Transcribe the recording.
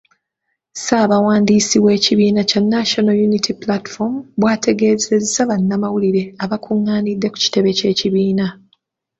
Ssaabawandiisi w’ekibiina kya National Unity Platform, bwategeezezza bannamawulire abakung’aanidde ku kitebe ky’ekibiina.